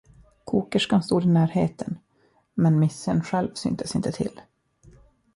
Kokerskan stod i närheten, men missen själv syntes inte till.